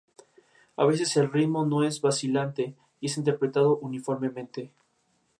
Es aceptable para partes de muebles, pisos.